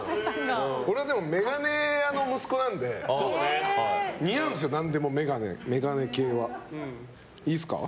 俺はでも、眼鏡屋の息子なので似合うんですよ、何でも眼鏡系は。